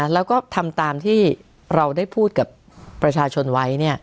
แล้วก็ทำตามที่เราได้พูดกับประชาชนไว้